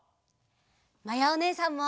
まやおねえさんも！